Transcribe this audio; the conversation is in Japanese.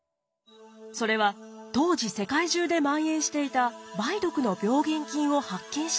それは当時世界中で蔓延していた梅毒の病原菌を発見した論文でした。